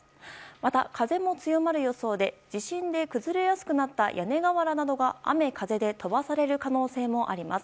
また風も強まる予想で地震で崩れやすくなった屋根瓦などが雨風で飛ばされる可能性もあります。